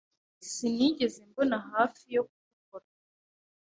Sinigeze mbona hafi yo kubikora.